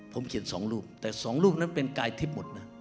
ผมเขียน๒รูปแต่๒รูปนั้นเป็นกายทิพย์หมดนะ